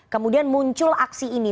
kemudian muncul aksi ini